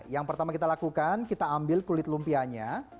yang pertama kita lakukan kita ambil kulit lumpianya